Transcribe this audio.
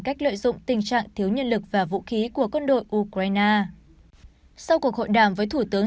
cách lợi dụng tình trạng thiếu nhân lực và vũ khí của quân đội ukraine sau cuộc hội đàm với thủ tướng